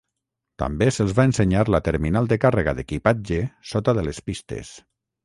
També se'ls va ensenyar la Terminal de Càrrega d'Equipatge sota de les pistes.